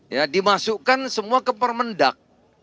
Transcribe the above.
ya dimasukkan semua ke permendak